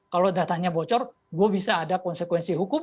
kalau datanya bocor gue bisa ada konsekuensi hukum